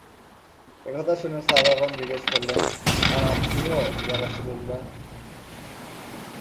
একথা শুনে সাহাবাগণ জিজ্ঞেস করলেন, আর আপনিও ইয়া রাসূলাল্লাহ?